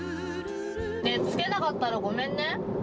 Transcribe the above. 着けなかったらごめんね。